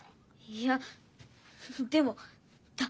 いやでもだ